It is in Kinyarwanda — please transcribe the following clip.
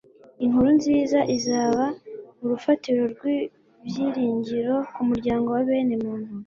inkuru nziza izaba urufatiro rw'ibyiringiro ku muryango wa bene muntu